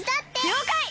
りょうかい！